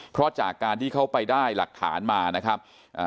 เพราะจากการที่เขาไปได้หลักฐานมานะครับอ่า